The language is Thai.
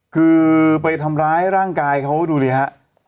คือไปทำร้ายร่างกายเขาดูดิฮะ